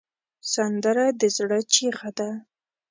سندره د زړه چیغه ده